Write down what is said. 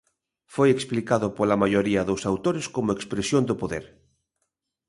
Foi explicado pola maioría dos autores como expresión do poder.